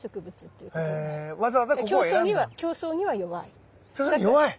で競争には弱い。